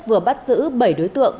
vừa bắt giữ bảy đối tượng